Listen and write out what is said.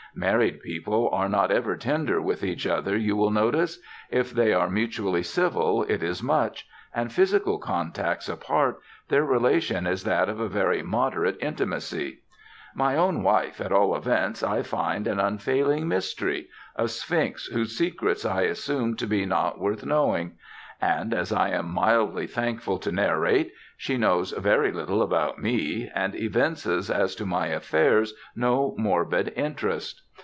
Married people are not ever tender with each other, you will notice: if they are mutually civil it is much: and physical contacts apart, their relation is that of a very moderate intimacy. My own wife, at all events, I find an unfailing mystery, a Sphinx whose secrets I assume to be not worth knowing: and, as I am mildly thankful to narrate, she knows very little about me, and evinces as to my affairs no morbid interest.